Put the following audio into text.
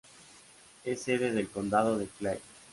Es sede del condado de Clay.